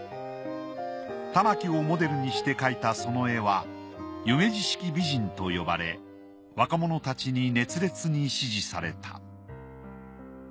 たまきをモデルにして描いたその絵は夢二式美人と呼ばれ若者たちに熱烈に支持された。